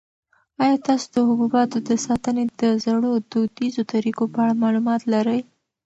آیا تاسو د حبوباتو د ساتنې د زړو دودیزو طریقو په اړه معلومات لرئ؟